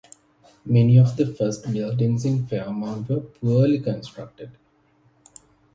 Many of the first buildings in Fairmont were poorly constructed.